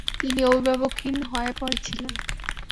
তিনি অভিভাবকহীন হয়ে পড়েছিলেন।